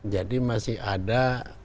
jadi masih ada